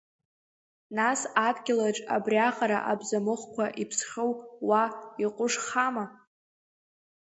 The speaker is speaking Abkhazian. Нас адгьылаҿ абри аҟара абзамыҟәқәа иԥсхьоу уа иҟәышхама?